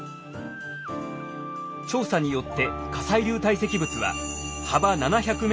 調査によって火砕流堆積物は幅７００ｍ